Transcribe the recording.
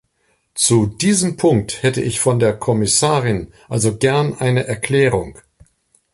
Zu diesem Punkt hätte ich von der Kommissarin also gern eine Erklärung.